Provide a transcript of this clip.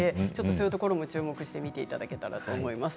そういうところにも注目して見ていただければと思います。